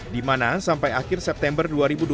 di mana sampai akhir september dua ribu dua puluh